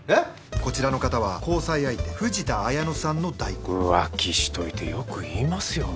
こちらの方は交際相手藤田綾乃さんの代行浮気しといてよく言いますよね。